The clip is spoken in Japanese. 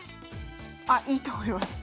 あいいと思います。